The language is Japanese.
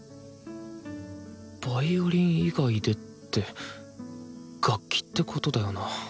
ヴァイオリン以外でって楽器ってことだよな